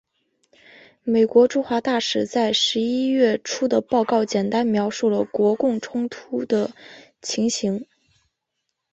美国驻华大使馆在十一月初的报告简单描述了国共冲突的情形。